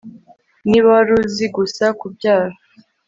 Niba wari uzi gusa kubyara